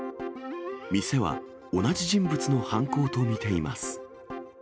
店は同じ人物の犯行と見ています。